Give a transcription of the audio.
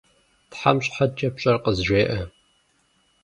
Тхьэм щхьэкӏэ пщӏэр къызжеӏэ!